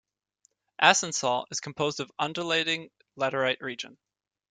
Asansol is composed of undulating latterite region.